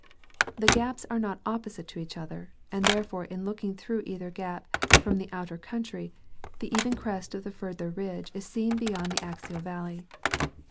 The gaps are not opposite to each other, and therefore in looking through either gap from the outer country the even crest of the further ridge is seen beyond the axial valley.